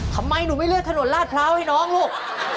ทำไมหนูไม่เลือกถนนลาดพร้าวให้น้องลูก